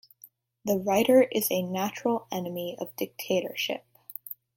The writer is the natural enemy of dictatorship.